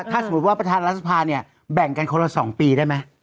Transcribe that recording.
ถ้าสมมุติว่าประธานรัฐสภาเนี่ยแบ่งกันคนละ๒ปีได้ไหม